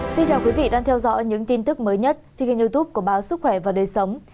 xin chào quý vị đang theo dõi những tin tức mới nhất trên kênh youtube của báo sức khỏe và đời sống